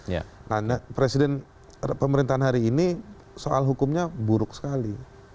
nah presiden pemerintahan hari ini soal hukumnya buruk sekali